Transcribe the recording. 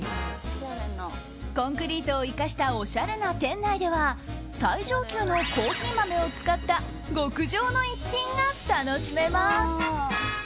コンクリートを生かしたおしゃれな店内では最上級のコーヒー豆を使った極上の一品が楽しめます。